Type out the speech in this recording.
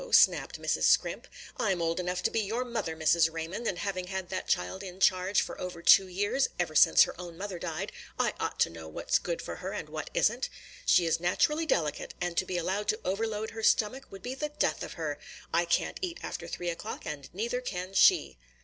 snapped Mrs. Scrimp. "I'm old enough to be your mother, Mrs. Raymond, and having had that child in charge for over two years ever since her own mother died I ought to know what's good for her and what isn't. She is naturally delicate, and to be allowed to overload her stomach would be the death of her. I can't eat after three o'clock, and neither can she."